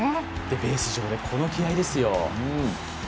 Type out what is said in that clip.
ベース上で、この気合いですよ。